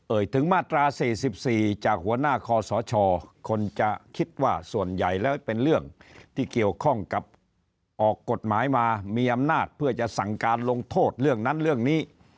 ถึงมาตรา๔๔จากหัวหน้าคอสชคนจะคิดว่าส่วนใหญ่แล้วเป็นเรื่องที่เกี่ยวข้องกับออกกฎหมายมามีอำนาจเพื่อจะสั่งการลงโทษเรื่องนั้นเรื่องนี้